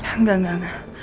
enggak enggak enggak